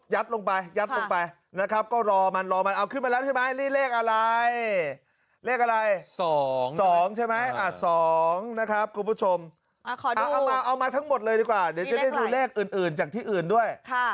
เอามาทั้งหมดเลยดีกว่าเดี๋ยวจะได้มีแรกอื่นจากที่อื่นด้วย